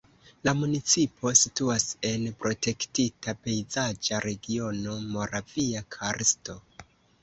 La municipo situas en protektita pejzaĝa regiono Moravia karsto.